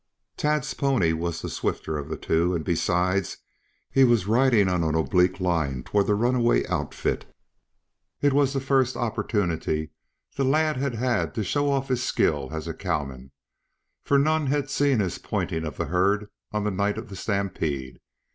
Tad's pony was the swifter of the two, and besides, he was riding on an oblique line toward the runaway outfit. It was the first opportunity the lad had had to show off his skill as a cowman, for none had seen his pointing of the herd on the night of the stampede.